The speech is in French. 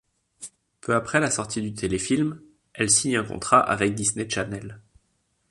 Peu après la sortie du téléfilm, elle signe un contrat avec Disney Channel.